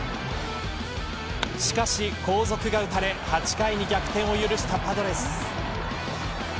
しかし、後続が打たれ８回に逆転を許したパドレス。